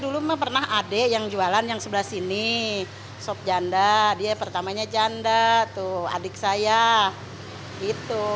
dulu mah pernah adik yang jualan yang sebelah sini sop janda dia pertamanya janda tuh adik saya gitu